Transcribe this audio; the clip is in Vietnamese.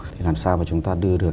bốn thì làm sao mà chúng ta đưa được